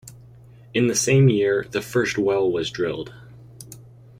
In the same year, the first well was drilled.